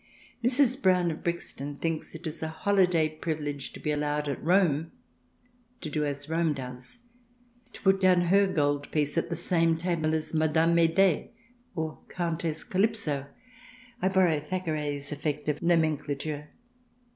Mrs. Brown of Brixton thinks it a holiday privilege to be allowed at Rome to do as Rome does, to put down her gold piece at the same table as Madame Medee or Countess Calypso (I borrow Thackeray's effective nomenclature).